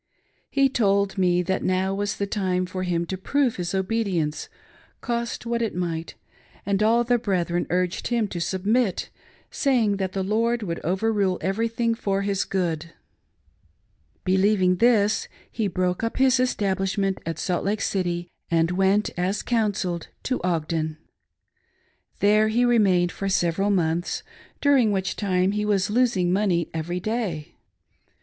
He told me that now was the time for him to proive his obedience, cost what it might ; and all the brethren urged him to submit, saying that the Lord would overrule everything for his good. i, 'Believing this, he broke up his establishment at Salt Lake City, and went, as " counselled," to Ogden. There he re mained for several months, during which time he was losing money every day.